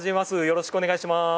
よろしくお願いします。